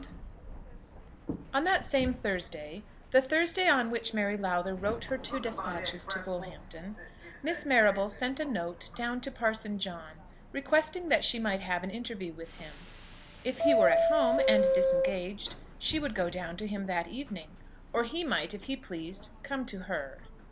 On that same Thursday, the Thursday on which Mary Lowther wrote her two despatches to Bullhampton, Miss Marrable sent a note down to Parson John, requesting that she might have an interview with him. If he were at home and disengaged, she would go down to him that evening, or he might, if he pleased, come to her.